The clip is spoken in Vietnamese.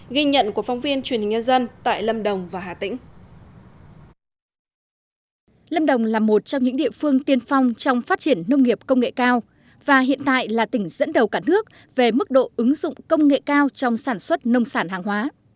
ghi nhận của phóng viên truyền hình nhân dân tại lâm đồng và hà tĩnh